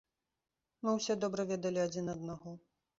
Мы ўсе добра ведалі адзін аднаго.